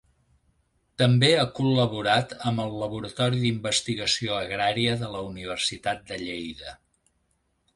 També ha col·laborat amb el laboratori d’investigació agrària de la Universitat de Lleida.